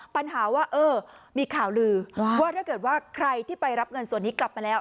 ปัญหาว่าเออมีข่าวลือว่าถ้าเกิดว่าใครที่ไปรับเงินส่วนนี้กลับมาแล้ว